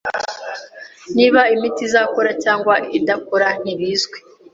Niba imiti izakora cyangwa idakora ntibizwi.